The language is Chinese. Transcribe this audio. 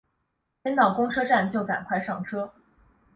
先到公车站就赶快上车